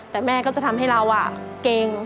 แต่แม่ก็จะทำให้เราเก่ง